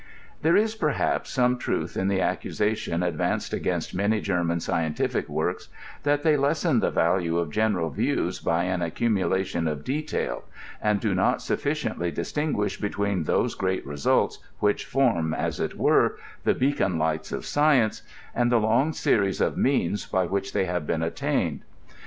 There is, perhaps, some truth in the accusation advanced against many German scientific wQrks, that they lessen the value of general views by an accumulation of detail, and do not sufficiently distinguish between those great results which form, as it were, the beacon lights of science, and the long series of means by which they have been attained.